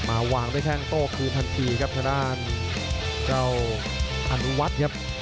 มาวางด้วยแข่งโต๊ะคือพันทีทะดานอันวัด